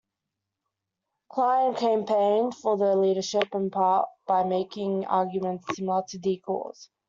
Klein campaigned for the leadership in part by making arguments similar to Decore's.